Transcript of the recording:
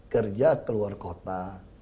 kerja keluar kota